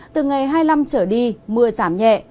từ ngày hai mươi năm trở đi mưa giảm nhẹ